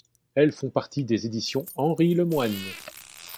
Elles font partie des Éditions Henry Lemoine.